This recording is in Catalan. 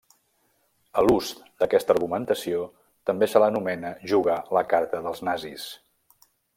A l'ús d'aquesta argumentació també se l'anomena jugar la carta dels Nazis.